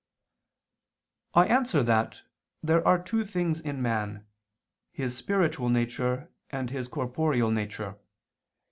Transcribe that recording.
I answer that, There are two things in man, his spiritual nature and his corporeal nature.